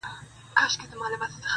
ګناه بل وکړي کسات یې له ما خېژي,